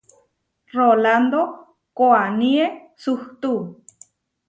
Rolándo koʼaníe suhtú.